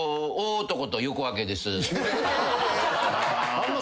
あんま